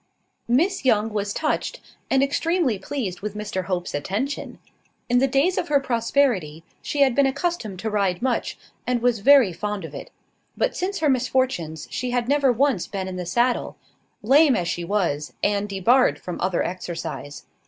Miss Young was touched, and extremely pleased with Mr Hope's attention. In the days of her prosperity she had been accustomed to ride much, and was very fond of it; but since her misfortunes she had never once been in the saddle lame as she was, and debarred from other exercise.